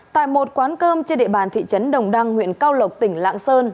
tại một quán cơm trên địa bàn thị trấn đồng đăng huyện cao lộc tỉnh lạng sơn